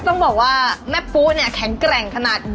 ต้องบอกว่าแม่ปุ๊เนี่ยแข็งแกร่งขนาด